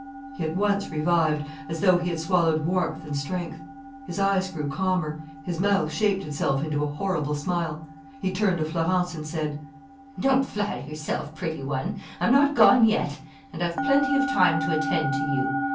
He at once revived, as though he had swallowed warmth and strength. His eyes grew calmer, his mouth shaped itself into a horrible smile. He turned to Florence and said: "Don't flatter yourself, pretty one; I'm not gone yet, and I've plenty of time to attend to you.